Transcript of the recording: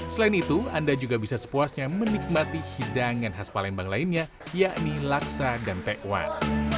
selain itu anda juga bisa sepuasnya menikmati hidangan khas palembang lainnya yakni laksa dan tekwan